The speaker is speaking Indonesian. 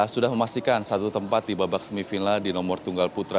sudah memastikan satu tempat di babak semifinal di nomor tunggal putra